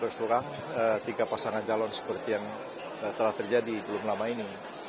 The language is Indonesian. bersurang tiga pasangan calon seperti yang telah terjadi belum lama ini